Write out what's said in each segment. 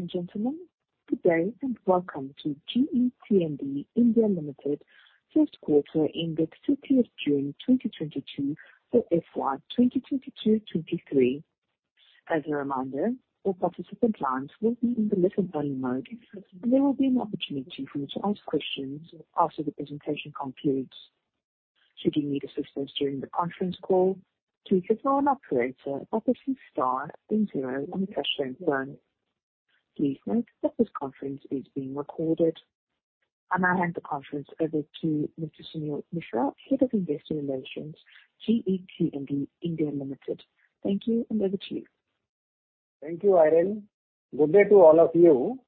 Ladies and gentlemen, good day, and welcome to GE T&D India Limited Q1 ended 30th June 2022 for FY 2022-23. As a reminder, all participant lines will be in the listen-only mode. There will be an opportunity for you to ask questions after the presentation concludes. Should you need assistance during the conference call, please reach our operator by pressing star then zero on your touchtone phone. Please note that this conference is being recorded. I now hand the conference over to Mr. Suneel Mishra, Head of Investor Relations, GE T&D India Limited. Thank you, and over to you. Thank you, Irene. Good day to all of you.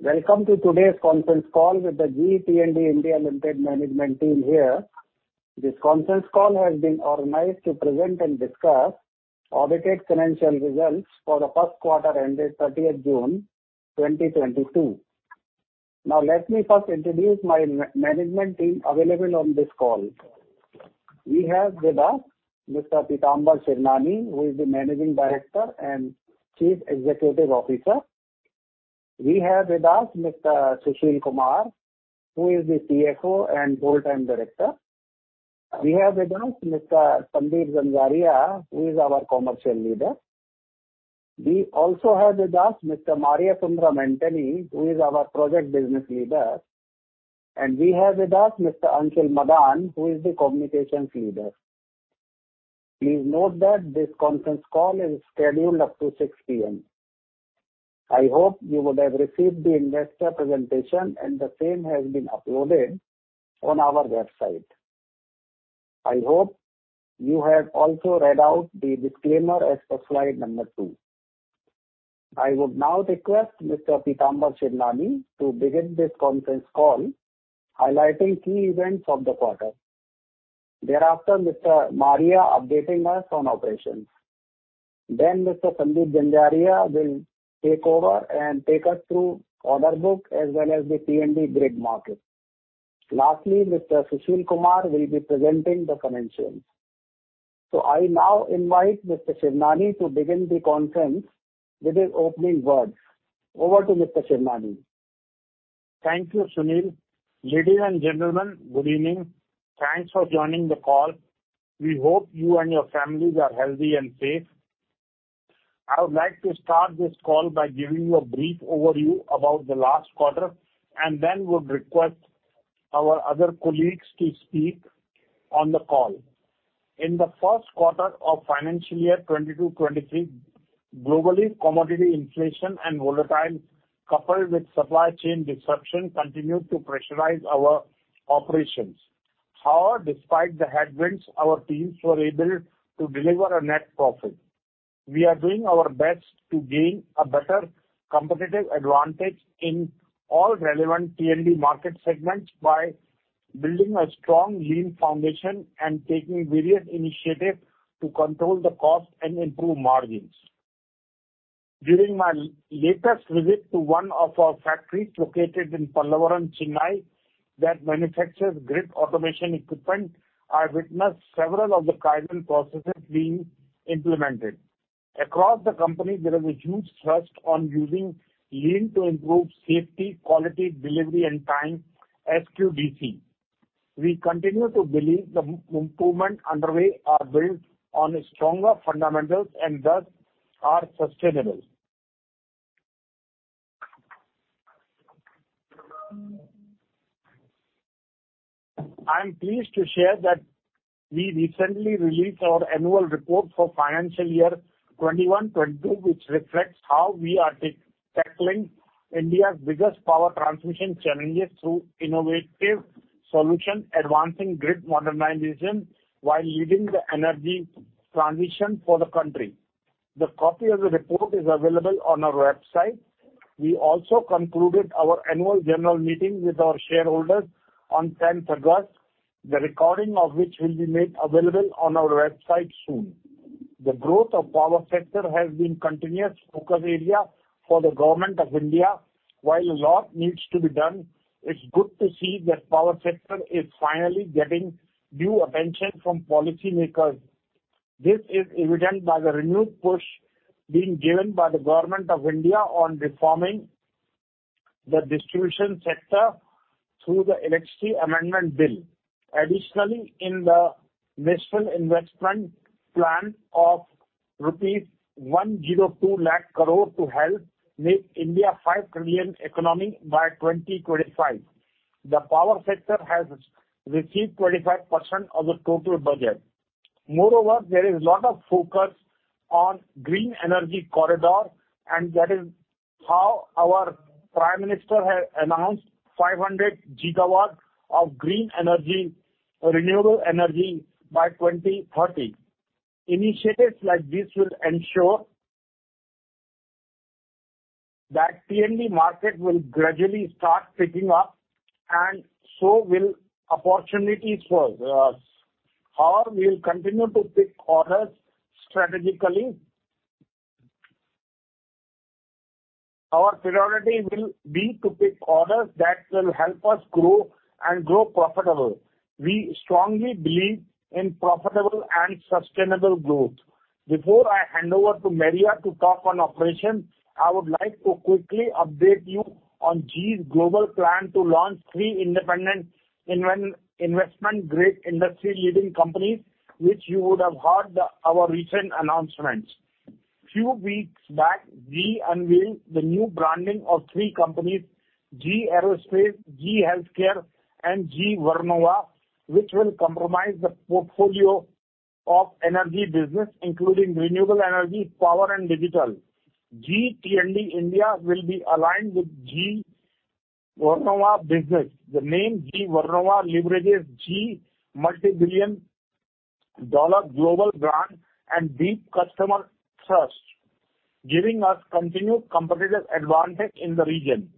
Welcome to today's conference call with the GE T&D India Limited management team here. This conference call has been organized to present and discuss audited financial results for the Q1 ended 30th June 2022. Now let me first introduce my management team available on this call. We have with us Mr. Pitamber Shivnani, who is the Managing Director and Chief Executive Officer. We have with us Mr. Sushil Kumar, who is the CFO and full-time director. We have with us Mr. Sandeep Zanzaria, who is our Commercial Leader. We also have with us Mr. Mariasundaram Antony, who is our Project Business Leader. We have with us Mr. Anshul Madaan, who is the Communications Leader. Please note that this conference call is scheduled up to 6:00 P.M. I hope you would have received the investor presentation, and the same has been uploaded on our website. I hope you have also read out the disclaimer as per slide number two. I would now request Mr. Pitamber Shivnani to begin this conference call highlighting key events of the quarter. Thereafter, Mr. Mariasundaram Antony updating us on operations. Then Mr. Sandeep Zanzaria will take over and take us through order book as well as the T&D grid market. Lastly, Mr. Sushil Kumar will be presenting the financials. I now invite Mr. Shivnani to begin the conference with his opening words. Over to Mr. Shivnani. Thank you, Suneel. Ladies and gentlemen, good evening. Thanks for joining the call. We hope you and your families are healthy and safe. I would like to start this call by giving you a brief overview about the last quarter and then would request our other colleagues to speak on the call. In the Q1 of financial year 2022-2023, globally, commodity inflation and volatility coupled with supply chain disruption continued to pressurize our operations. However, despite the headwinds, our teams were able to deliver a net profit. We are doing our best to gain a better competitive advantage in all relevant T&D market segments by building a strong lean foundation and taking various initiatives to control the cost and improve margins. During my latest visit to one of our factories located in Pallavaram, Chennai, that manufactures grid automation equipment, I witnessed several of the Kaizen processes being implemented. Across the company, there is a huge thrust on using lean to improve safety, quality, delivery, and cost, SQDC. We continue to believe the improvements underway are built on stronger fundamentals and thus are sustainable. I am pleased to share that we recently released our annual report for financial year 2021-22, which reflects how we are tackling India's biggest power transmission challenges through innovative solutions, advancing grid modernization while leading the energy transition for the country. The copy of the report is available on our website. We also concluded our annual general meeting with our shareholders on 10th August. The recording of which will be made available on our website soon. The growth of power sector has been continuous focus area for the Government of India. While a lot needs to be done, it's good to see that power sector is finally getting due attention from policymakers. This is evident by the renewed push being given by the Government of India on reforming the distribution sector through the Electricity Amendment Bill. Additionally, in the national investment plan of rupees 102 lakh crore to help make India $5 trillion economy by 2025. The power sector has received 25% of the total budget. Moreover, there is lot of focus on green energy corridor, and that is how our Prime Minister has announced 500 gigawatt of green energy, renewable energy, by 2030. Initiatives like this will ensure that T&D market will gradually start picking up, and so will opportunities for us. How we will continue to pick orders strategically. Our priority will be to pick orders that will help us grow and grow profitable. We strongly believe in profitable and sustainable growth. Before I hand over to Maria to talk on operations, I would like to quickly update you on GE's global plan to launch three independent investment-grade industry-leading companies, which you would have heard our recent announcements. A few weeks back, GE unveiled the new branding of three companies, GE Aerospace, GE HealthCare, and GE Vernova, which will comprise the portfolio of energy business, including renewable energy, power and digital. GE T&D India will be aligned with GE Vernova business. The name GE Vernova leverages GE multi-billion dollar global brand and deep customer trust, giving us continued competitive advantage in the region.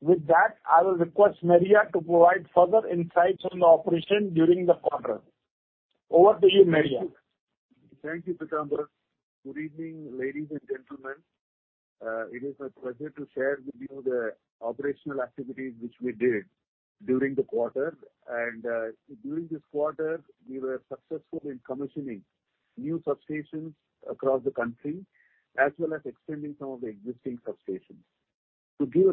With that, I will request Maria to provide further insights on the operation during the quarter. Over to you, Maria. Thank you, Pitamber Shivnani. Good evening, ladies and gentlemen. It is my pleasure to share with you the operational activities which we did during the quarter. During this quarter, we were successful in commissioning new substations across the country as well as extending some of the existing substations. To give a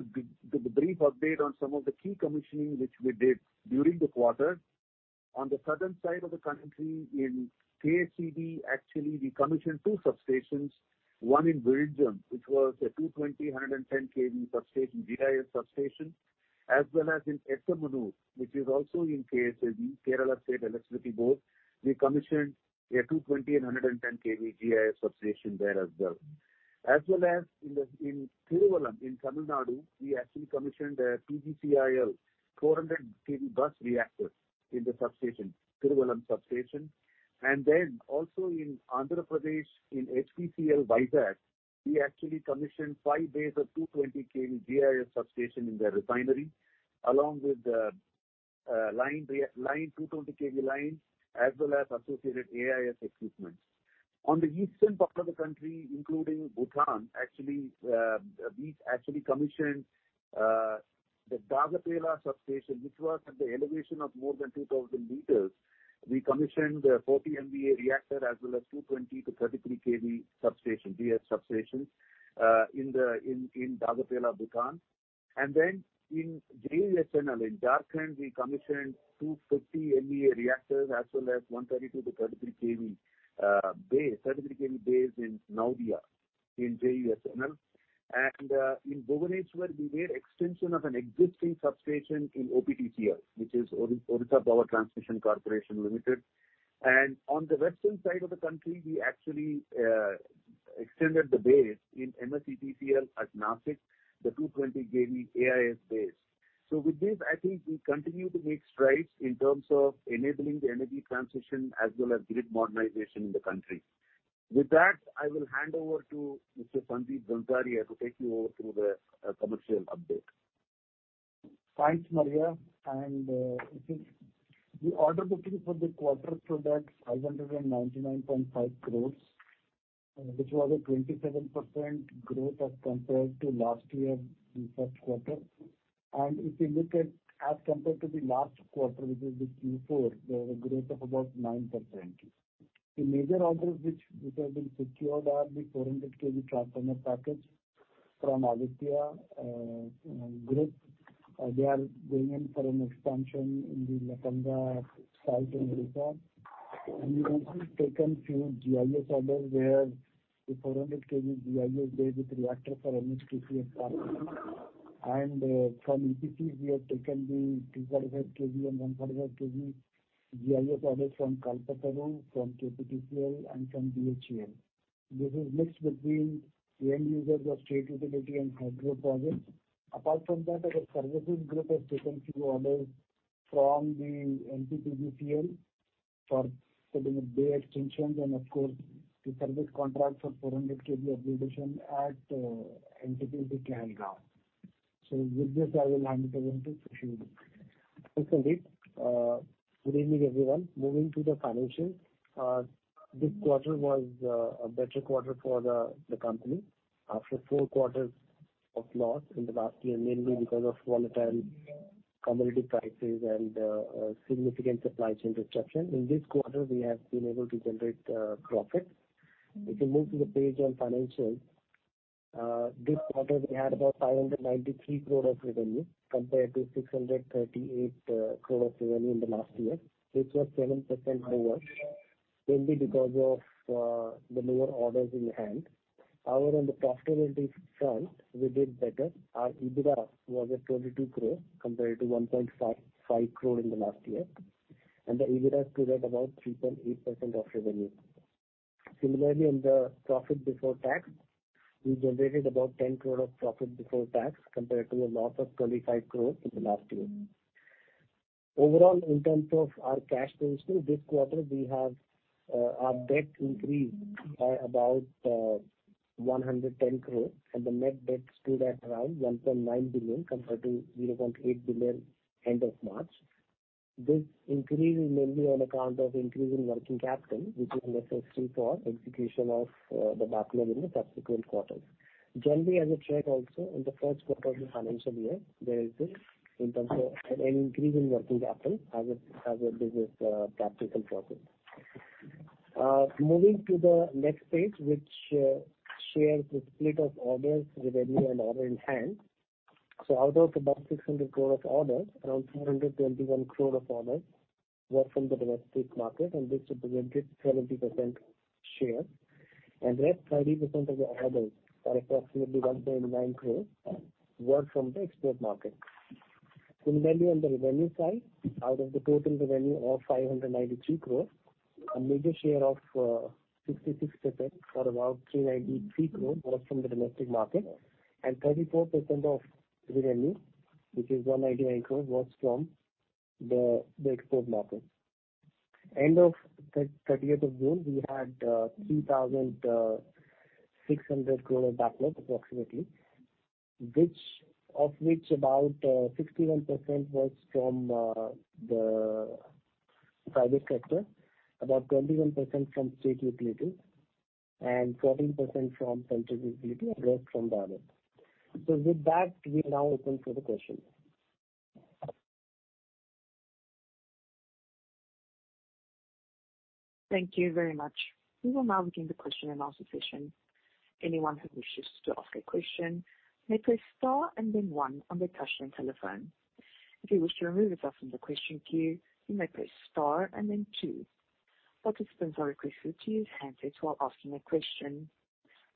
brief update on some of the key commissioning which we did during the quarter. On the southern side of the country in KSEB, actually, we commissioned two substations, one in Virajam, which was a 220/110 kV substation, GIS substation, as well as in Edamon, which is also in KSEB, Kerala State Electricity Board. We commissioned a 220 and 110 kV GIS substation there as well. As well as in Thiruvalam, in Tamil Nadu, we actually commissioned a PGCIL 400 KV bus reactor in the substation, Thiruvalam substation. Also in Andhra Pradesh, in HPCL Vizag, we actually commissioned five bays of 220 KV GIS substation in their refinery, along with line, 220 KV lines, as well as associated AIS equipment. On the eastern part of the country, including Bhutan, actually, we actually commissioned the Dagapela substation, which was at the elevation of more than 2,000 meters. We commissioned a 40 MVA reactor as well as 220-33 KV substation, GIS substations, in Dagapela, Bhutan. In JUSNL, in Jharkhand, we commissioned 250 MVA reactors as well as 130-33 KV bay, 33 KV bays in Nawadih in JUSNL. In Bhubaneswar, we made extension of an existing substation in OPTCL, which is Odisha Power Transmission Corporation Limited. On the western side of the country, we actually extended the bay in MSETCL at Nashik, the 220 kV AIS bay. With this, I think we continue to make strides in terms of enabling the energy transition as well as grid modernization in the country. With that, I will hand over to Mr. Sandeep Zanzaria to take you through the commercial update. Thanks, Maria. The order booking for the quarter showed that 599.5 crore, which was a 27% growth as compared to last year in Q1. If you look at as compared to the last quarter, which is the Q4, there was a growth of about 9%. The major orders which have been secured are the 400 KV transformer package from Adani Group. They are going in for an expansion in the Lathanga site in Odisha. We have also taken few GIS orders where the 400 KV GIS bay with reactor for MSPTL. From EPC, we have taken the 245 KV and 145 KV GIS orders from Kalpataru, from KPTCL and from BHEL. This is mixed between end users of state utility and hydro projects. Apart from that, our services group has taken few orders from the MPPTCL for certain bay extensions and of course, the service contract for 400 kV upgradation at MPPTCL Rehgaon. With this, I will hand it over to Sushil. Thanks, Sandeep. Good evening, everyone. Moving to the financials. This quarter was a better quarter for the company after four quarters of loss in the past year, mainly because of volatile commodity prices and significant supply chain disruption. In this quarter, we have been able to generate profit. If you move to the page on financials. This quarter we had about 593 crore of revenue compared to 638 crore of revenue in the last year, which was 7% lower, mainly because of the lower orders in hand. However, on the profitability front, we did better. Our EBITDA was at 22 crore compared to 1.55 crore in the last year, and the EBITDA stood at about 3.8% of revenue. Similarly, on the profit before tax, we generated about 10 crore of profit before tax compared to a loss of 25 crore in the last year. Overall, in terms of our cash flows too, this quarter we have, our debt increased by about, one hundred and ten crore, and the net debt stood at around 1.9 billion compared to 0.8 billion end of March. This increase is mainly on account of increase in working capital, which is necessary for execution of, the backlog in the subsequent quarters. Generally, as a trend also in the Q1 of the financial year, there is this in terms of an increase in working capital as a business practical process. Moving to the next page, which shares the split of orders, revenue and order in hand. Out of about 600 crore of orders, around 421 crore of orders were from the domestic market, and this represented 70% share. The rest 30% of the orders are approximately 1.9 crores were from the export market. Similarly, on the revenue side, out of the total revenue of 593 crores, a major share of 66% for about 393 crores was from the domestic market and 34% of revenue, which is 199 crores, was from the export market. End of 30th of June, we had 3,600 crore of backlog approximately, of which about 61% was from the private sector, about 21% from state utilities and 14% from central utility and rest from private. With that, we now open for the questions. Thank you very much. We will now begin the question and answer session. Anyone who wishes to ask a question may press star and then one on their touchtone telephone. If you wish to remove yourself from the question queue, you may press star and then two. Participants are requested to use handsets while asking a question.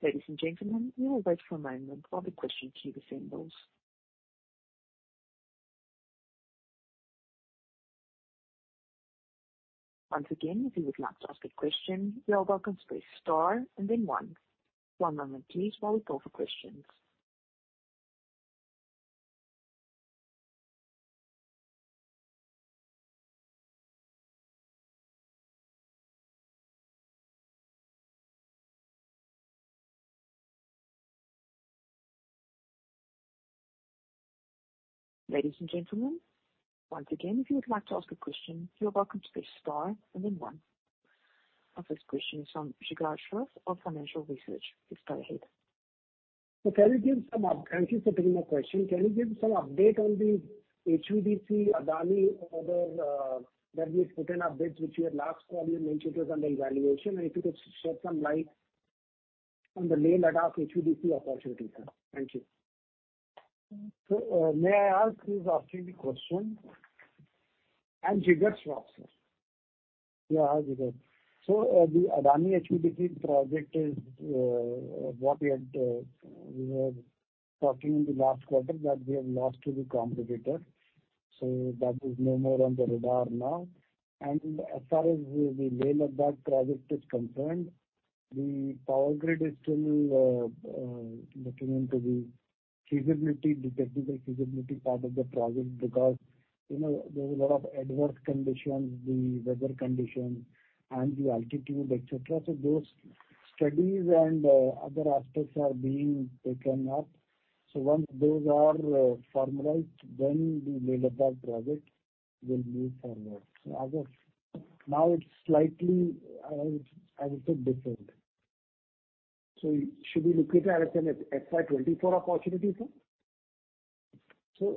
Ladies and gentlemen, we will wait for a moment while the question queue assembles. Once again, if you would like to ask a question, you are welcome to press star and then one. One moment, please, while we call for questions. Ladies and gentlemen, once again, if you would like to ask a question, you are welcome to press star and then one. Our first question is from Jigar Shroff of Financial Research. Please go ahead. Thank you for taking my question. Can you give some update on the HVDC Adani order, that we've taken updates which we had last quarter mentioned it was under evaluation? And if you could shed some light on the Leh-Ladakh HVDC opportunity, sir. Thank you. May I ask who's asking the question? I'm Jigar Shroff, sir. Yeah. Hi, Jigar. The Adani HVDC project is what we had; we were talking in the last quarter that we have lost to the competitor. That is no more on the radar now. As far as the Leh-Ladakh project is concerned, the power grid is still looking into the feasibility, the technical feasibility part of the project because, you know, there is a lot of adverse conditions, the weather condition and the altitude, et cetera. Those studies and other aspects are being taken up. Once those are formalized, then the Leh-Ladakh project will move forward. As of now it's slightly, I would say different. Should we look at it as an FY 2024 opportunity, sir?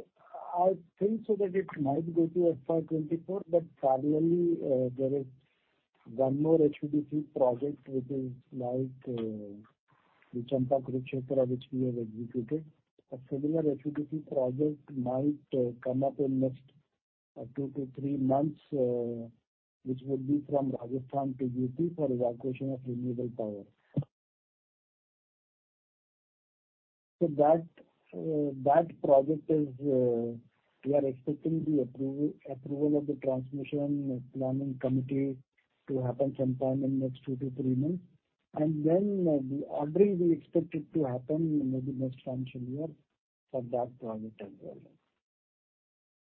I think so that it might go to FY 2024, but parallelly, there is one more HVDC project which is like the Champa-Kurukshetra which we have executed. A similar HVDC project might come up in next two to three months, which would be from Rajasthan to UP for evacuation of renewable power. That project, we are expecting the approval of the Transmission Planning Committee to happen sometime in next two to three months. The order will be expected to happen maybe next financial year for that project as well.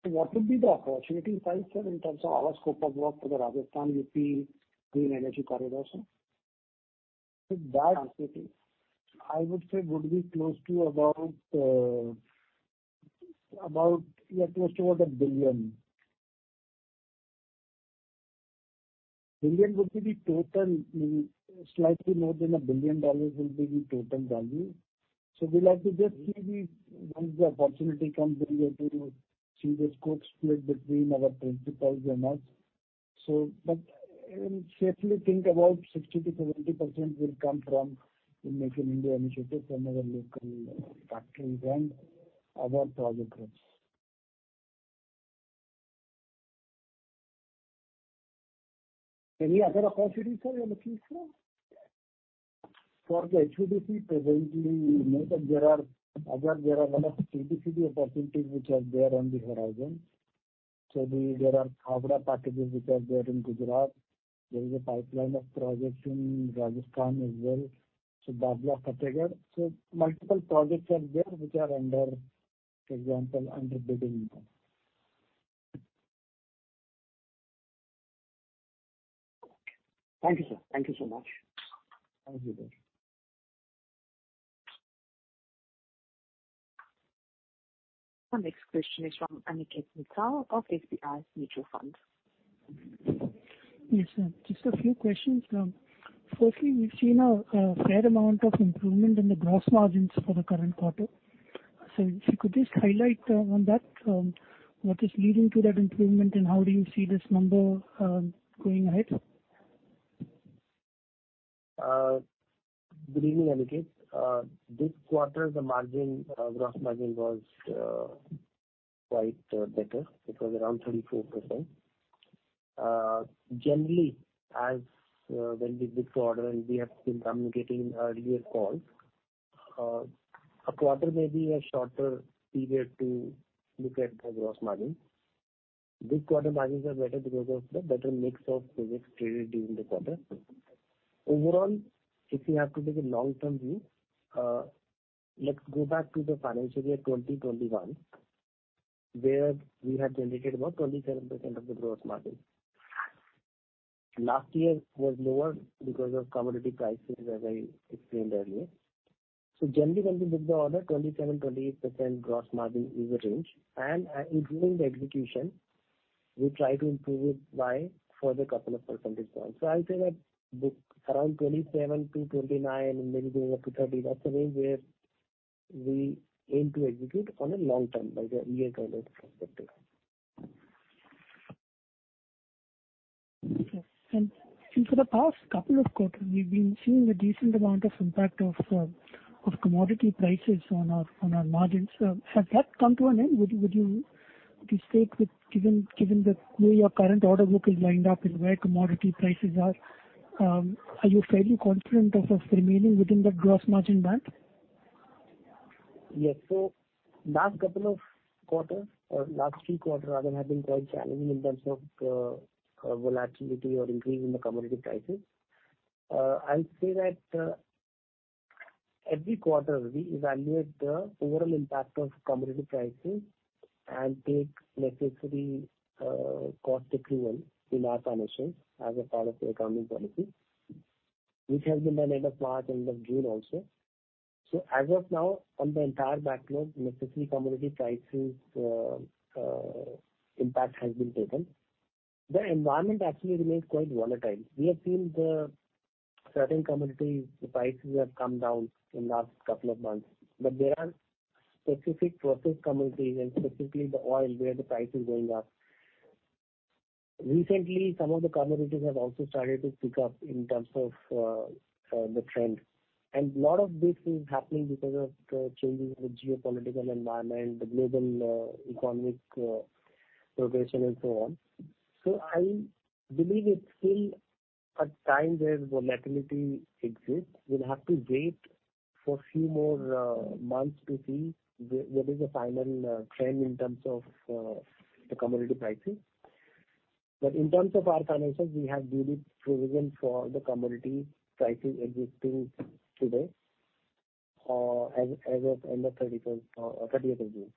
What would be the opportunity size, sir, in terms of our scope of work for the Rajasthan, UP clean energy corridor, sir? Opportunity. I would say would be close to about a billion. $1 billion would be the total, slightly more than $1 billion dollars will be the total value. We'll have to just see, once the opportunity comes in, we have to see the scope split between our principals and us. Safely think about 60%-70% will come from Make in India initiatives and other local factories and other project groups. Any other opportunities are you looking, sir? For the HVDC presently, no, but there are lot of CDC opportunities which are there on the horizon. There are Khavda packages which are there in Gujarat. There is a pipeline of projects in Rajasthan as well. Bhadla, Fatehabad. Multiple projects are there which are under, for example, under bidding now. Thank you, sir. Thank you so much. Thank you. Our next question is from Aniket Mittal of SBI Mutual Fund. Yes, sir, just a few questions. Firstly, we've seen a fair amount of improvement in the gross margins for the current quarter. If you could just highlight on that, what is leading to that improvement and how do you see this number going ahead? Good evening, Aniket. This quarter the gross margin was quite better. It was around 34%. Generally, as when we book order and we have been communicating in earlier calls, a quarter may be a shorter period to look at the gross margin. This quarter margins are better because of the better mix of projects created during the quarter. Overall, if we have to take a long-term view, let's go back to the financial year 2021, where we had generated about 27% of the gross margin. Last year was lower because of commodity prices, as I explained earlier. Generally when we book the order, 27%-28% gross margin is the range. During the execution we try to improve it by further couple of percentage points. I'll say that book around 27-29 and maybe going up to 30, that's the way where we aim to execute on a long term, like a year calendar perspective. Okay. For the past couple of quarters we've been seeing a decent amount of impact of commodity prices on our margins. Has that come to an end? Given the way your current order book is lined up and where commodity prices are you fairly confident of remaining within that gross margin band? Yes. Last couple of quarters or last three quarters rather, have been quite challenging in terms of volatility or increase in the commodity prices. I'd say that every quarter we evaluate the overall impact of commodity prices and take necessary cost accrual in our financials as a part of the accounting policy. This has been done end of March, end of June also. As of now, on the entire backlog, necessary commodity prices impact has been taken. The environment actually remains quite volatile. We have seen the certain commodities, the prices have come down in last couple of months. There are specific process commodities and specifically the oil where the price is going up. Recently, some of the commodities have also started to pick up in terms of the trend. A lot of this is happening because of changes in the geopolitical environment, the global economic progression and so on. I believe it's still a time where volatility exists. We'll have to wait for a few more months to see what is the final trend in terms of the commodity prices. In terms of our financials, we have made provision for the commodity prices existing today, as of end of thirtieth of June. Okay.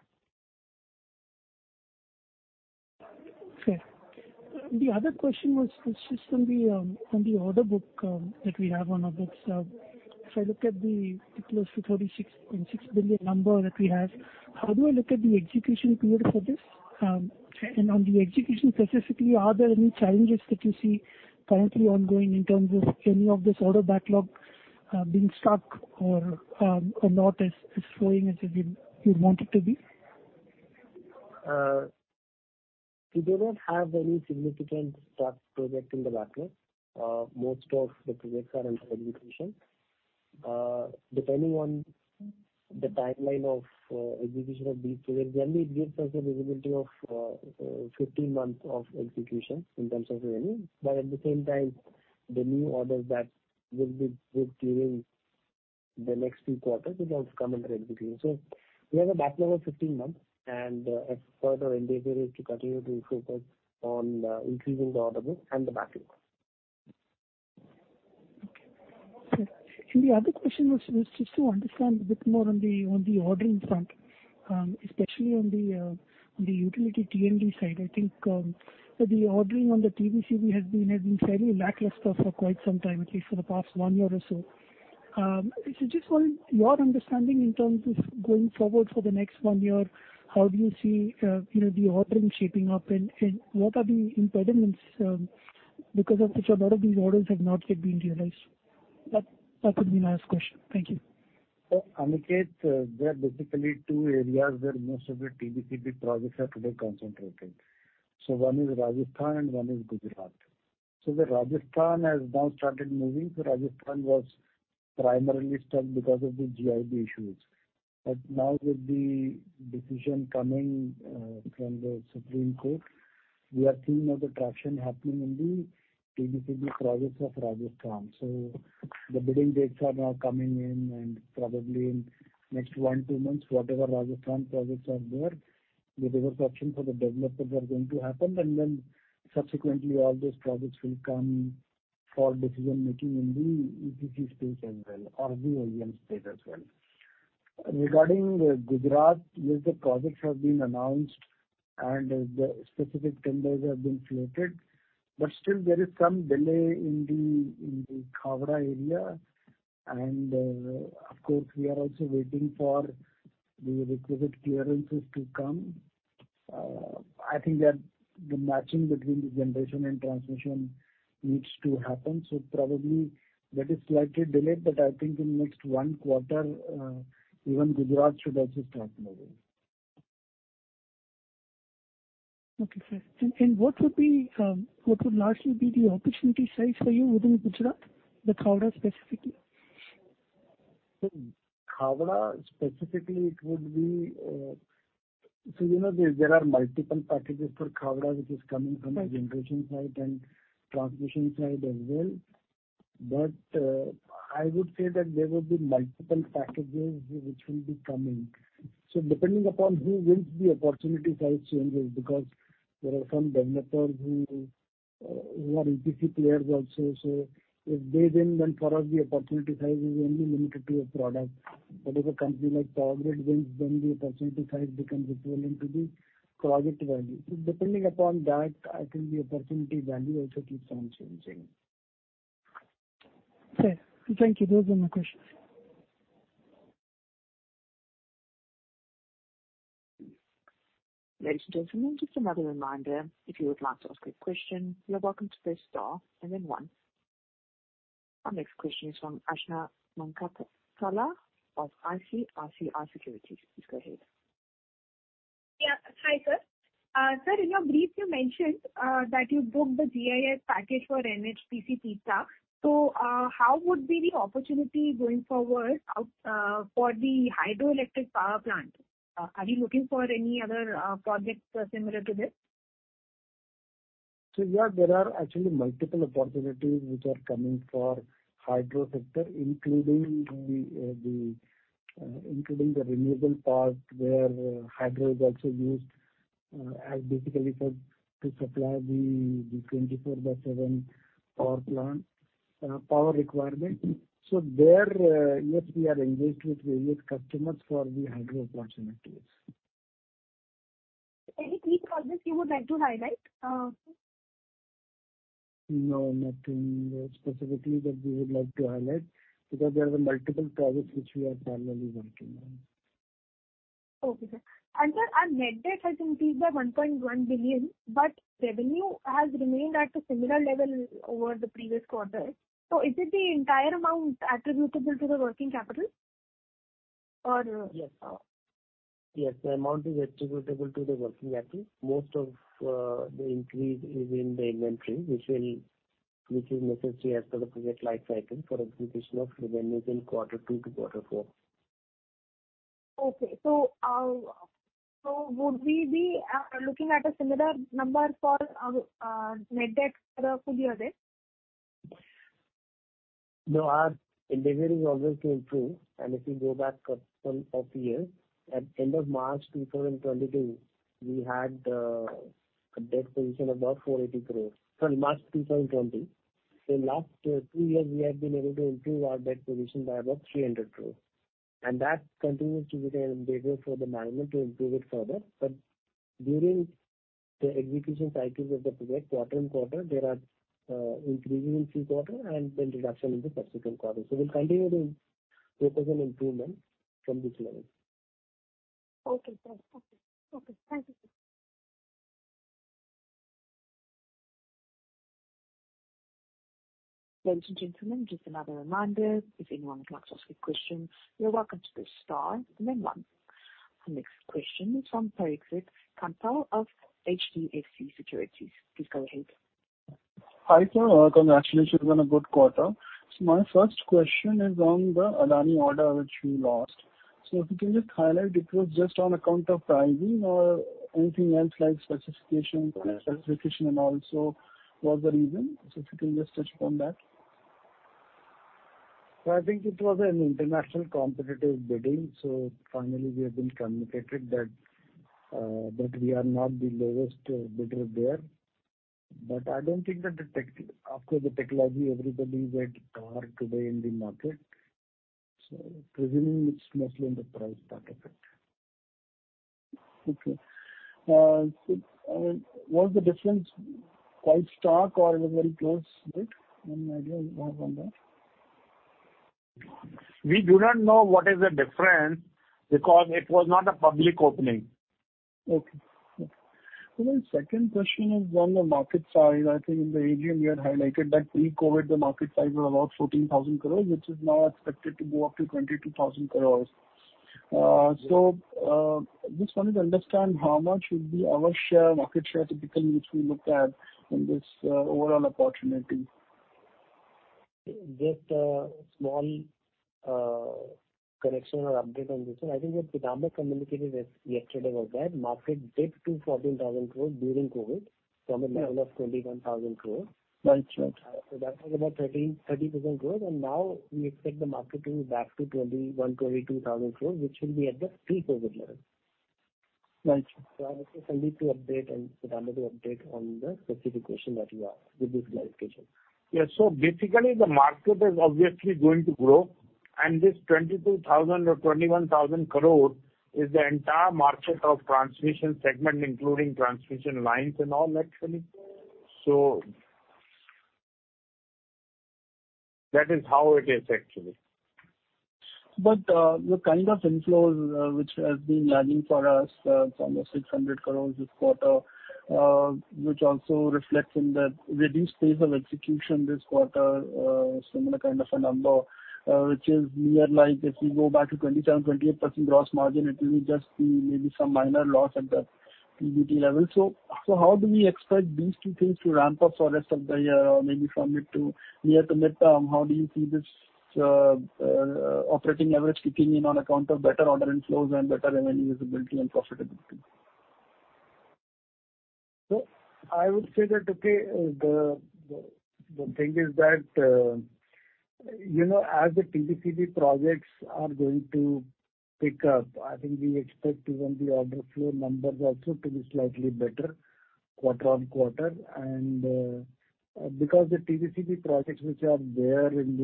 The other question was just on the order book that we have on our books. If I look at the close to 46.6 billion number that we have, how do I look at the execution period for this? And on the execution specifically, are there any challenges that you see currently ongoing in terms of any of this order backlog being stuck or not as flowing as you'd want it to be? We do not have any significant stuck project in the backlog. Most of the projects are under execution. Depending on the timeline of execution of these projects, generally it gives us a visibility of 15 months of execution in terms of revenue. At the same time, the new orders that will be booked during the next few quarters will also come under execution. We have a backlog of 15 months and our further endeavor is to continue to focus on increasing the order book and the backlog. Okay. The other question was just to understand a bit more on the ordering front, especially on the utility T&D side. I think the ordering on the TBCB has been fairly lackluster for quite some time, at least for the past one year or so. I just want your understanding in terms of going forward for the next one year, how do you see you know, the ordering shaping up? And what are the impediments because of which a lot of these orders have not yet been realized? That would be my last question. Thank you. Aniket, there are basically two areas where most of the TBCB projects are today concentrated. One is Rajasthan and one is Gujarat. The Rajasthan has now started moving. Rajasthan was primarily stuck because of the GIB issues. Now with the decision coming, from the Supreme Court, we are seeing a traction happening in the TBCB projects of Rajasthan. The bidding dates are now coming in and probably in next one to two months, whatever Rajasthan projects are there, the development action for the developers are going to happen. Then subsequently all those projects will come for decision making in the EPC space as well, or the OEM space as well. Regarding Gujarat, yes the projects have been announced and the specific tenders have been floated, but still there is some delay in the Khavda area. Of course, we are also waiting for the requisite clearances to come. I think that the matching between the generation and transmission needs to happen. Probably that is slightly delayed, but I think in next one quarter, even Gujarat should also start moving. Okay, sir. What would largely be the opportunity size for you within Gujarat, the Khavda specifically? Khavda specifically it would be. You know, there are multiple packages for Khavda which is coming from the generation side and transmission side as well. I would say that there will be multiple packages which will be coming. Depending upon who wins the opportunity size changes because there are some developers who are EPC players also. If they win, then for us the opportunity size is only limited to a product. If a company like Power Grid wins, then the opportunity size becomes equivalent to the project value. Depending upon that, I think the opportunity value also keeps on changing. Okay. Thank you. Those are my questions. Ladies and gentlemen, just another reminder. If you would like to ask a question, you're welcome to press star and then one. Our next question is from Ashna Mankad Shah of ICICI Securities. Please go ahead. Hi, sir. Sir, in your brief you mentioned that you booked the GIS package for NHPC Teesta. How would be the opportunity going forward for the hydroelectric power plant? Are you looking for any other projects similar to this? Yeah, there are actually multiple opportunities which are coming for hydro sector, including the renewable part, where hydro is also used as basically to supply the 24 by 7 power requirement. Yes, we are engaged with various customers for the hydro opportunities. Any three projects you would like to highlight? No, nothing specifically that we would like to highlight because there are multiple projects which we are currently working on. Okay, sir. Sir, our net debt has increased by 1.1 billion, but revenue has remained at a similar level over the previous quarter. Is it the entire amount attributable to the working capital or- Yes. Yes, the amount is attributable to the working capital. Most of the increase is in the inventory which is necessary as per the project life cycle for execution of revenues in quarter two to quarter four. Okay. Would we be net debt for the full year then? No, our endeavor is always to improve. If you go back couple of years, at end of March 2022, we had a debt position of about 480 crore. Sorry, March 2020. Last two years we have been able to improve our debt position by about 300 crore. That continues to be the endeavor for the management to improve it further. During the execution cycles of the project quarter-on-quarter, there are increase in this quarter and then reduction in the subsequent quarter. We'll continue the focus on improvement from this level. Okay, sir. Thank you, sir. Ladies and gentlemen, just another reminder. If anyone would like to ask a question, you're welcome to press star and then one. Our next question is from Parikshit Kandpal of HDFC Securities. Please go ahead. Hi, sir. Congratulations on a good quarter. My first question is on the Adani order which you lost. If you can just highlight, it was just on account of pricing or anything else like specification and also was the reason. If you can just touch upon that. I think it was an international competitive bidding. Finally we have been communicated that we are not the lowest bidder there. I don't think that after the technology everybody is at par today in the market. Presuming it's mostly in the price part of it. Okay. Was the difference quite stark or it was very close bid? Any idea you have on that? We do not know what is the difference because it was not a public opening. Okay. My second question is on the market size. I think in the AGM you had highlighted that pre-COVID the market size was about 14,000 crore, which is now expected to go up to 22,000 crore. So, just wanted to understand how much would be our share, market share typically which we looked at in this, overall opportunity. Just a small, correction or update on this one. I think what Pitamber communicated as yesterday was that market dipped to 14,000 crore during COVID from a level of 21,000 crore. Gotcha. That was about 13%-30% growth. Now we expect the market to be back to 21,000-22,000 crore, which will be at the pre-COVID level. Got you. I think a little update and Pitamber will update on the specification that you asked, with the clarification. Yeah. Basically the market is obviously going to grow, and this 22,000 crore or 21,000 crore is the entire market of transmission segment, including transmission lines and all actually. That is how it is actually. But, the kind of inflows, which has been lagging for us, it's almost 600 crore this quarter, which also reflects in the reduced pace of execution this quarter. Similar kind of a number, which is near like if we go back to 27%-28% gross margin, it will just be maybe some minor loss at that PBT level. How do we expect these two things to ramp up for rest of the year or maybe from it to near to midterm? How do you see this, operating leverage kicking in on account of better order inflows and better revenue visibility and profitability? I would say that the thing is that, you know, as the TBCB projects are going to pick up, I think we expect even the order flow numbers also to be slightly better quarter on quarter. Because the TBCB projects which are there on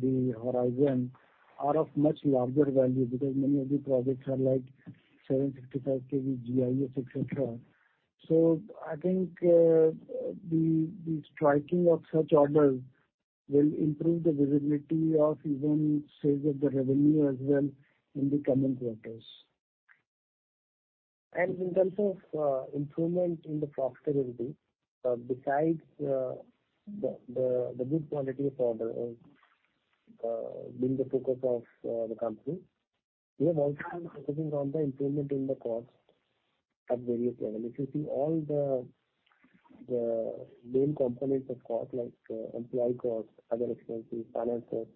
the horizon are of much larger value because many of the projects are like 755 KV GIS, et cetera. I think the striking of such orders will improve the visibility of even, say, the revenue as well in the coming quarters. In terms of improvement in the profitability, besides the good quality of order being the focus of the company, we have also been focusing on the improvement in the cost at various level. If you see all the main components of cost, like employee cost, other expenses, finances,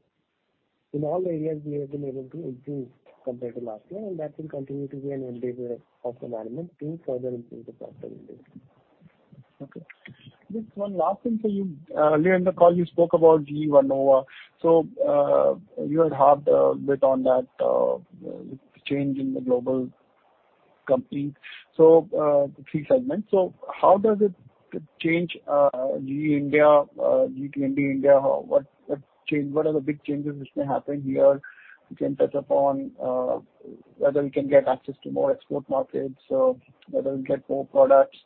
in all areas we have been able to improve compared to last year, and that will continue to be an endeavor of the management to further improve the profitability. Okay. Just one last thing for you. Earlier in the call you spoke about GE Vernova. You had harped a bit on that change in the global company. Three segments. How does it change GE India, GE T&D India? What are the big changes which may happen here? You can touch upon whether we can get access to more export markets, whether we get more products.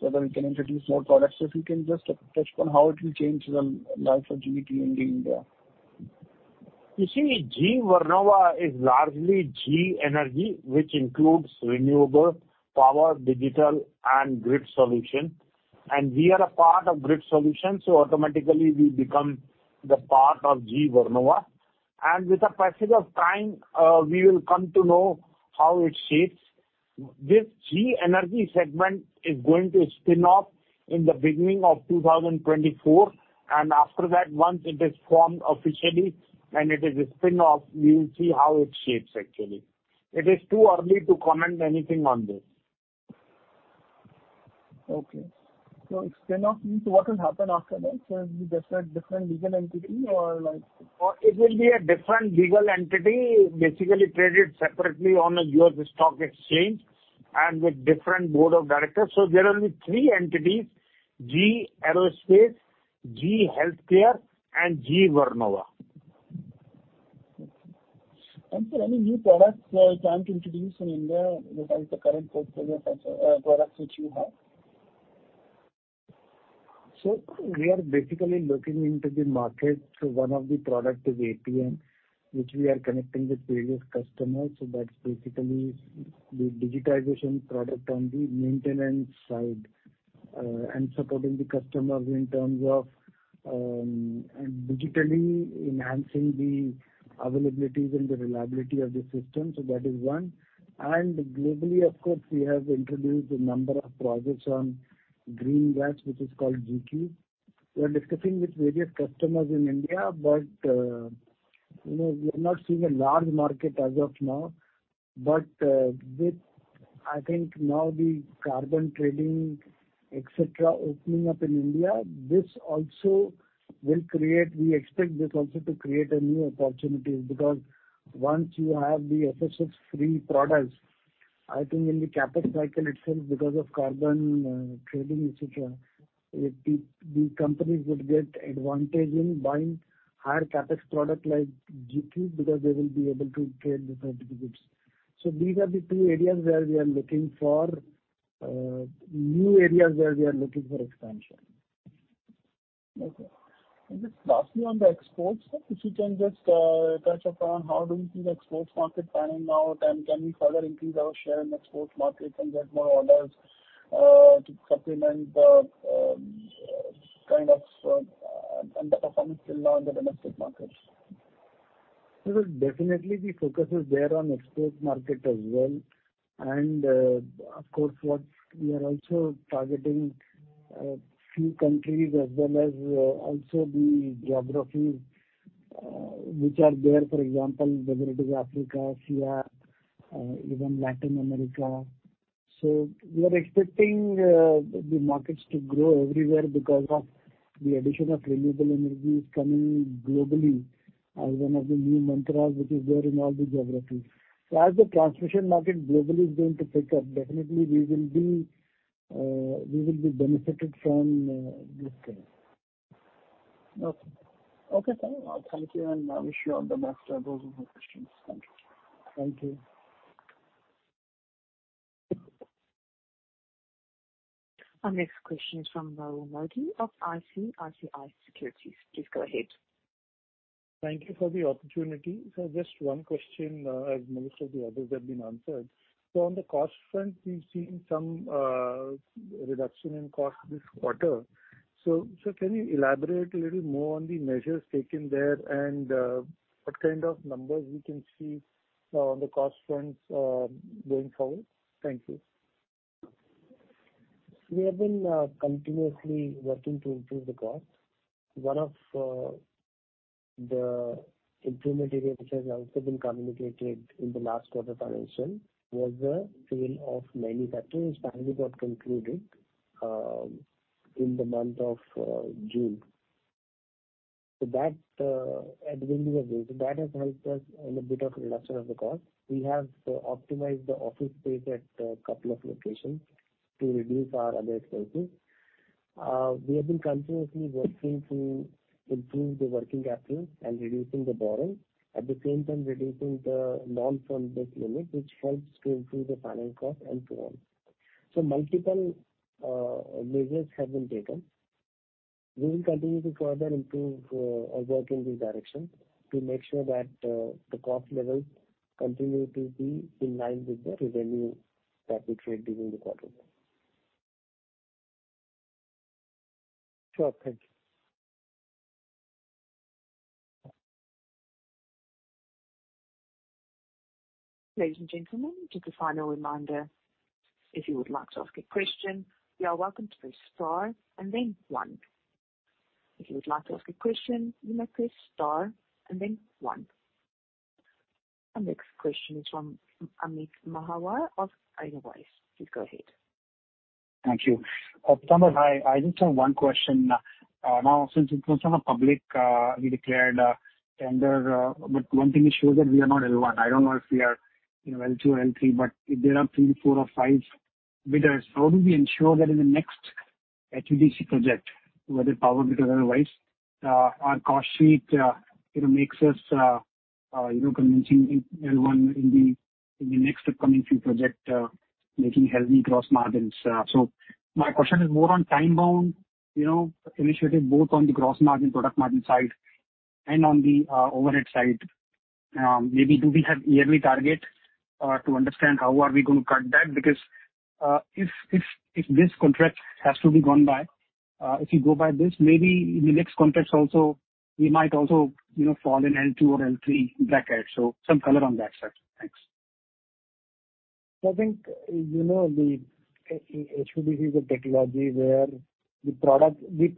Whether we can introduce more products. If you can just touch upon how it will change the life of GE T&D India? You see, GE Vernova is largely GE Energy, which includes renewable power, digital and grid solution. We are a part of grid solution, so automatically we become the part of GE Vernova. With the passage of time, we will come to know how it shapes. This GE Energy segment is going to spin off in the beginning of 2024. After that, once it is formed officially and it is a spin off, we will see how it shapes actually. It is too early to comment anything on this. Okay. Spin off means what will happen after that? It'll be just a different legal entity or like. It will be a different legal entity, basically traded separately on a US stock exchange and with different board of directors. There are only three entities: GE Aerospace, GE Healthcare, and GE Vernova. Okay. Sir, any new products you plan to introduce in India besides the current portfolio products which you have? We are basically looking into the market. One of the product is APM, which we are connecting with various customers. That's basically the digitization product on the maintenance side, and supporting the customers in terms of digitally enhancing the availabilities and the reliability of the system. That is one. Globally, of course, we have introduced a number of projects on green gas, which is called g3. We are discussing with various customers in India, but you know, we are not seeing a large market as of now. With, I think now the carbon trading, et cetera, opening up in India, this also will create new opportunities. We expect this also to create new opportunities. Because once you have the SF6-free products, I think in the CapEx cycle itself because of carbon trading, et cetera, the companies would get advantage in buying higher CapEx product like g3 because they will be able to trade the certificates. So these are the two areas where we are looking for expansion. Okay. Just lastly on the exports, if you can just touch upon how do you see the export market panning out? Can we further increase our share in export market and get more orders, to supplement the kind of underperformance till now in the domestic markets? Definitely the focus is there on export market as well. Of course, what we are also targeting a few countries as well as also the geographies, which are there, for example, whether it is Africa, Asia, even Latin America. We are expecting the markets to grow everywhere because of the addition of renewable energies coming globally as one of the new mantras which is there in all the geographies. As the transmission market globally is going to pick up, definitely we will be benefited from this trend. Okay. Okay, sir. Thank you, and I wish you all the best. Are those your questions? Thank you. Thank you. Our next question is from Mohit of ICICI Securities. Please go ahead. Thank you for the opportunity. Just one question, as most of the others have been answered. On the cost front, we've seen some reduction in cost this quarter. Can you elaborate a little more on the measures taken there and what kind of numbers we can see on the cost fronts going forward? Thank you. We have been continuously working to improve the cost. One of the improvement areas which has also been communicated in the last quarter financials was the sale of manufacturing. Finally got concluded in the month of June. So that at the end of the day, that has helped us in a bit of reduction of the cost. We have optimized the office space at a couple of locations to reduce our other expenses. We have been continuously working to improve the working capital and reducing the borrowings. At the same time, reducing the non-fund-based limit, which helps to improve the funding cost and so on. Multiple measures have been taken. We will continue to further improve, or work in this direction to make sure that, the cost levels continue to be in line with the revenue that we create during the quarter. Sure. Thank you. Ladies and gentlemen, just a final reminder. If you would like to ask a question, you are welcome to press star and then one. If you would like to ask a question, you may press star and then one. Our next question is from Amit Mahawar of Edelweiss. Please go ahead. Thank you. Pitamber Shivnani, hi. I just have one question. Now since it was on a public tender we declared, but one thing is sure that we are not L1. I don't know if we are, you know, L2 or L3, but if there are three, four or five bidders, how do we ensure that in the next HVDC project, whether power because otherwise our cost sheet you know makes us you know convincing L1 in the next upcoming few projects making healthy gross margins. My question is more on time-bound you know initiative both on the gross margin, product margin side and on the overhead side. Maybe do we have yearly target to understand how are we gonna cut that? Because, if this contract has to be won by, if you go by this, maybe in the next contracts also we might also, you know, fall in L2 or L3 bracket. Some color on that side. Thanks. I think you know, the HVDC is a technology where the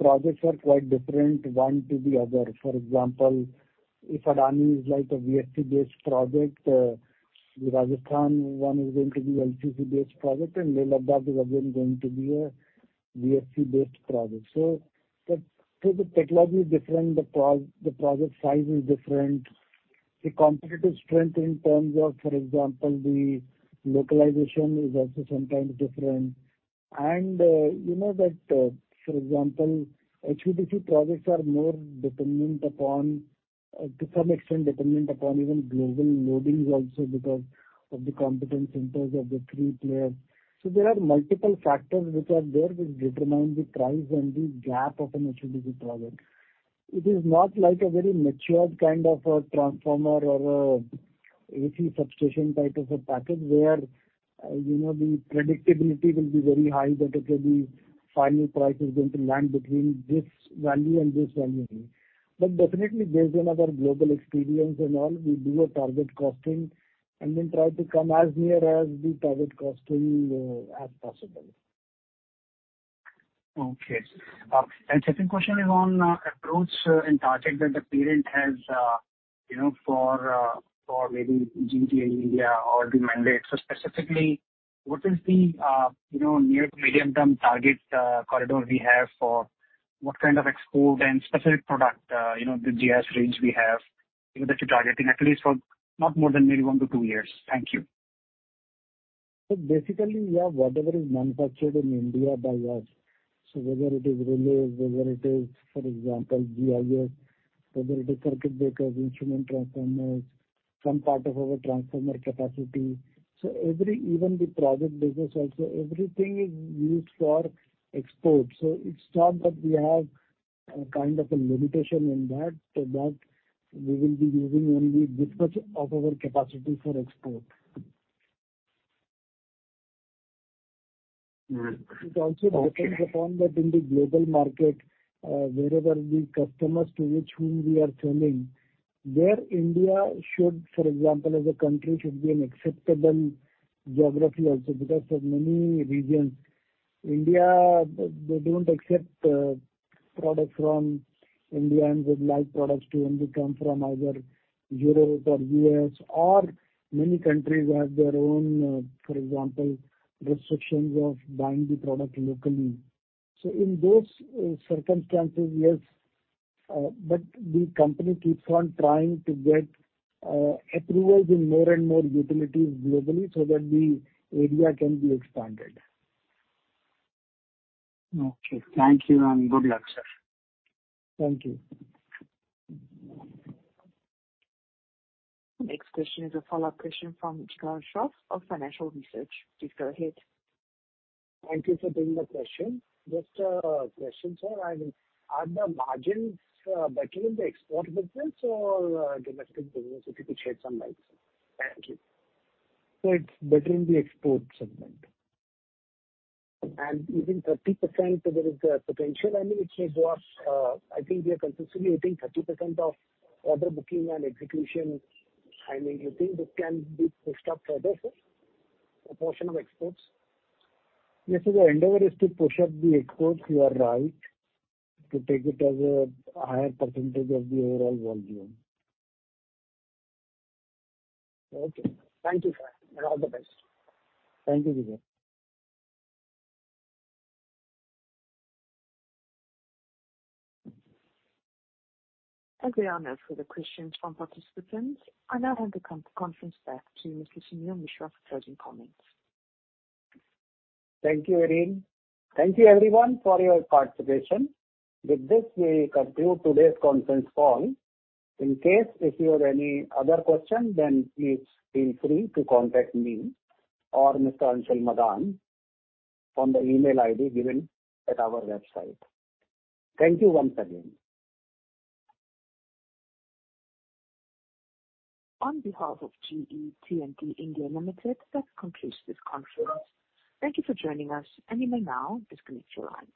projects are quite different, one to the other. For example, if Adani is like a VSC-based project, the Rajasthan one is going to be LCC-based project and Leh-Ladakh is again going to be a VSC-based project. The technology is different. The project size is different. The competitive strength in terms of, for example, the localization is also sometimes different. You know that, for example, HVDC projects are more dependent upon, to some extent dependent upon even global learnings also because of the competence centers of the three players. There are multiple factors which are there which determine the price and the gap of an HVDC project. It is not like a very matured kind of a transformer or a AC substation type of a package where, you know, the predictability will be very high that, okay, the final price is going to land between this value and this value only. But definitely based on our global experience and all, we do a target costing and then try to come as near as the target costing, as possible. Okay. Second question is on approach and target that the parent has, you know, for maybe GT in India or the mandate. Specifically, what is the, you know, near- to medium-term target corridor we have for what kind of export and specific product, you know, the GIS range we have, you know, that you're targeting at least for not more than maybe 1-2 years. Thank you. Basically, yeah, whatever is manufactured in India by us, so whether it is relays, whether it is, for example, GIS, whether it is circuit breakers, instrument transformers, some part of our transformer capacity. Every even the project business also, everything is used for export. It's not that we have a kind of a limitation in that, so that we will be using only this much of our capacity for export. Okay. It also depends upon that in the global market, wherever the customers to which whom we are selling, where India should, for example, as a country should be an acceptable geography also because of many reasons. India, they don't accept product from India and would like products to only come from either Europe or US, or many countries have their own, for example, restrictions of buying the product locally. In those circumstances, yes, but the company keeps on trying to get approvals in more and more utilities globally so that the area can be expanded. Okay. Thank you and good luck, sir. Thank you. Next question is a follow-up question from Chirag Shah of Financial Research. Please go ahead. Thank you for taking the question. Just a question, sir. I mean, are the margins better in the export business or domestic business? If you could shed some light. Thank you. It's better in the export segment. You think 30% there is the potential, I mean, which may go up. I think we are consistently hitting 30% of order booking and execution. I mean, you think this can be pushed up further, sir? The portion of exports. Yes, sir. Endeavor is to push up the exports. You are right. To take it as a higher percentage of the overall volume. Okay. Thank you, sir, and all the best. Thank you, Chirag. As we are now through the questions from participants, I now hand the conference back to Mr. Suneel Mishra for closing comments. Thank you, Irene. Thank you everyone for your participation. With this, we conclude today's conference call. In case if you have any other question, then please feel free to contact me or Mr. Anshul Madaan from the email ID given at our website. Thank you once again. On behalf of GE T&D India Limited, that concludes this conference. Thank you for joining us and you may now disconnect your lines.